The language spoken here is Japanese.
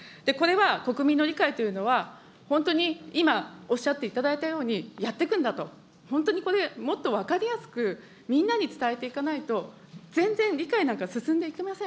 これは国民の理解というのは、本当に今おっしゃっていただいたようにやっていくんだと、本当にこれ、もっと分かりやすくみんなに伝えていかないと、全然理解なんか進んでいきません。